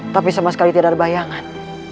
tapi sama sekali tidak ada bayangan